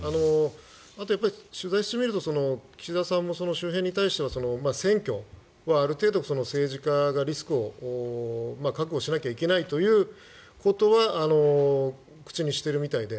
あと、取材してみると岸田さんも周辺に対しては選挙はある程度政治家がリスクを覚悟しなきゃいけないということは口にしているみたいで。